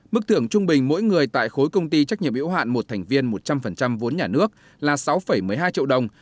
mức thưởng trung bình mỗi người tại khối công ty trách nhiệm yếu hạn một thành viên một trăm linh vốn nhà nước là sáu một mươi hai triệu đồng